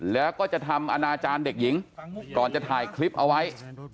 แล้วก็จะทำอนาจารย์เด็กหญิงก่อนจะถ่ายคลิปเอาไว้